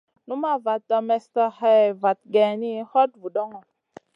Numaʼ vat mestn hè vat geyni, hoday vudoŋo.